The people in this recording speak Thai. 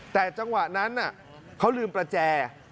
แต่จังหวะนั้นเขาลืมประแจ